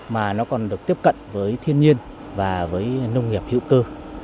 mà nó còn được tiếp cận với thiên nhiên và với nông nghiệp hữu cơ